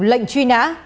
lệnh truy nã